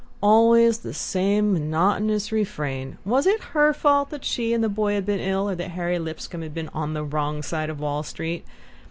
Always the same monotonous refrain! Was it her fault that she and the boy had been ill? Or that Harry Lipscomb had been "on the wrong side" of Wall Street?